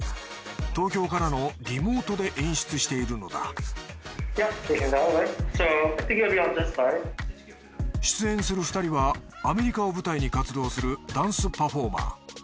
東京からのリモートで演出しているのだ出演する２人はアメリカを舞台に活動するダンスパフォーマー。